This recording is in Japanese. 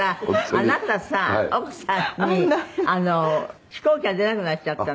あなたさ奥さんに飛行機が出なくなっちゃったんで。